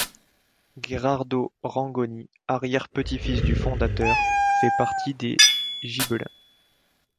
Gherardo Rangoni, arrière-petit-fils du fondateur, fait partie des Gibelins.